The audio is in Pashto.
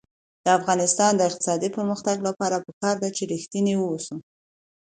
د افغانستان د اقتصادي پرمختګ لپاره پکار ده چې ریښتیني اوسو.